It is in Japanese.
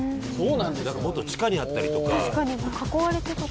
なんかもっと地下にあったりとか。